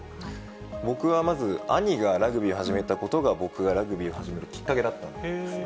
僕はまず、兄がラグビーを始めたことが、僕がラグビーを始めるきっかけだったんですね。